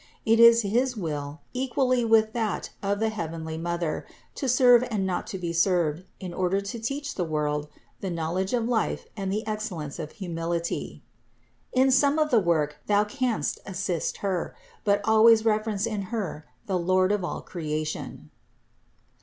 It is his will, equally with that of the heavenly Mother, to serve and not to be served, in order to teach the world the knowledge of life and the excel lence of humility. In some of the work thou canst assist Her, but always reverence in Her the Lord of all creation."